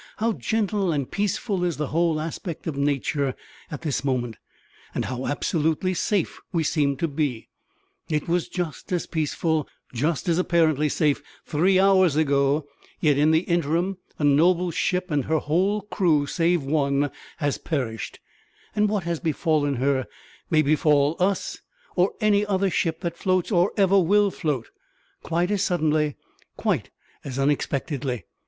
How gentle and peaceful is the whole aspect of nature at this moment, and how absolutely safe we seem to be! It was just as peaceful just as apparently safe three hours ago; yet in the interim a noble ship and her whole crew save one has perished; and what has befallen her may befall us or any other ship that floats, or ever will float, quite as suddenly, quite as unexpectedly.